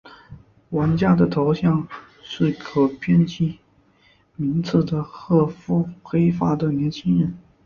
玩家的头像是可编辑名字的褐肤黑发的年轻人。